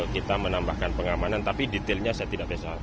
kita menambahkan pengamanan tapi detailnya saya tidak bisa